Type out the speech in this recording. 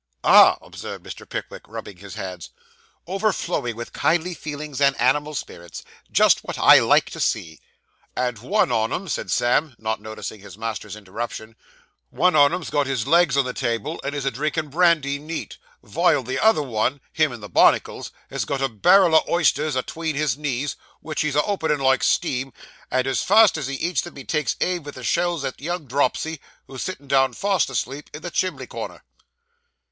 'Ah!' observed Mr. Pickwick, rubbing his hands, 'overflowing with kindly feelings and animal spirits. Just what I like to see.' And one on 'em,' said Sam, not noticing his master's interruption, 'one on 'em's got his legs on the table, and is a drinking brandy neat, vile the t'other one him in the barnacles has got a barrel o' oysters atween his knees, which he's a openin' like steam, and as fast as he eats 'em, he takes a aim vith the shells at young dropsy, who's a sittin' down fast asleep, in the chimbley corner.